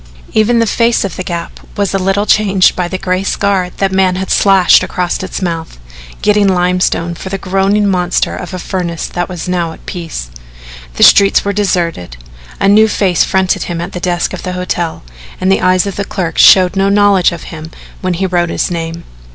Even the face of the Gap was a little changed by the gray scar that man had slashed across its mouth, getting limestone for the groaning monster of a furnace that was now at peace. The streets were deserted. A new face fronted him at the desk of the hotel and the eyes of the clerk showed no knowledge of him when he wrote his name.